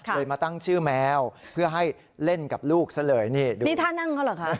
เลยมาตั้งชื่อแมวเพื่อให้เล่นกับลูกซะเลยนี่ดูนี่ท่านั่งเขาเหรอคะ